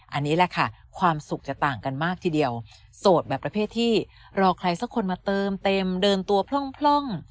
อันนี้แหละค่ะความสุขจะต่างกันมากทีเดียวโสดแบบประเภทที่รอใครสักคนมาเติมเต็มเดินตัวพร่อง